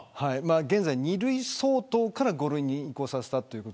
現在２類相当から５類に移行させた。